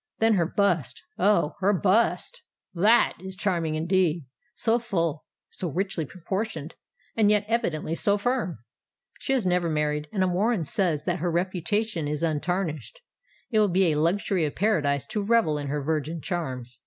Then her bust—oh! her bust—that is charming indeed,—so full—so richly proportioned—and yet evidently so firm! She has never been married, and Warren says that her reputation is untarnished. It will be a luxury of paradise to revel in her virgin charms.